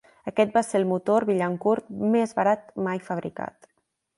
Aquest va ser el motor Billancourt més barat mai fabricat.